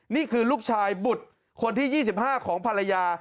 นี่คือลูกชายบุตรคนที่๒๕ของภรรยา